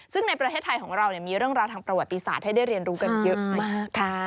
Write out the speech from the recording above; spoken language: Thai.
ซึ่งในประเทศไทยของเรามีเรื่องราวทางประวัติศาสตร์ให้ได้เรียนรู้กันเยอะมากค่ะ